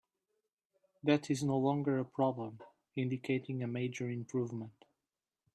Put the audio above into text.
That is no longer a problem, indicating a major improvement.